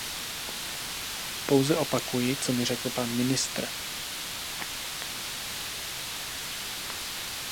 Pouze opakuji, co mi řekl pan ministr.